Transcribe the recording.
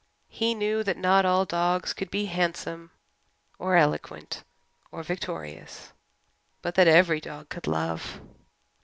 He knew that not all dogs could be handsome or eloquent or victorious, but that every dog could love.